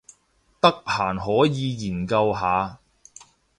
得閒可以研究下